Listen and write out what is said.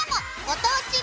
「ご当地